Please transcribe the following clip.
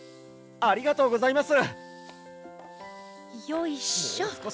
ありがとうございます！